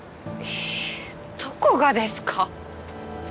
えっどこがですか！